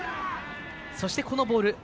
そして、このボール。